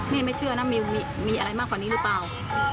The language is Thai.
ไม่เชื่อนะมีอะไรมากกว่านี้หรือเปล่า